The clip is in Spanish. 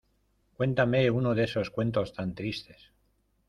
¡Cuéntame uno de esos cuentos tan tristes!